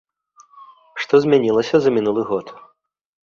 Што змянілася за мінулы год?